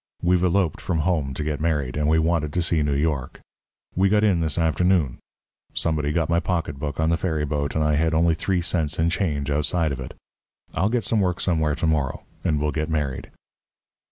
We've eloped from home to get married, and we wanted to see New York. We got in this afternoon. Somebody got my pocketbook on the ferry boat, and I had only three cents in change outside of it. I'll get some work somewhere to morrow, and we'll get married."